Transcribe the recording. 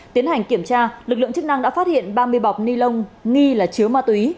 tiến hành kiểm tra lực lượng chức năng đã phát hiện ba mươi bọc ni lông nghi là chứa ma túy